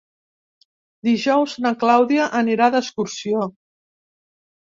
Dijous na Clàudia anirà d'excursió.